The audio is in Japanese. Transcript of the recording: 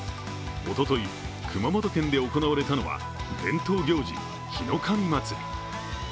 おととい、熊本県で行われたのは伝統行事、火の神祭り。